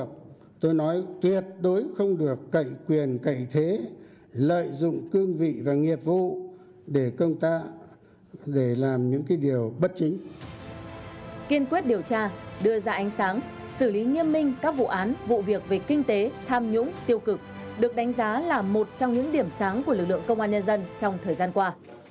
kiên quyết điều tra đưa ra ánh sáng xử lý nghiêm minh các vụ án vụ việc về kinh tế tham nhũng tiêu cực được đánh giá là một trong những điểm sáng của lực lượng công an nhân dân trong thời gian qua